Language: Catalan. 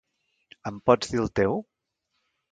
Em pots dir el teu!?